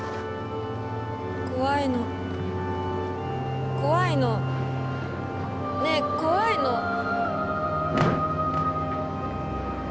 怖いの怖いのねえ怖いの。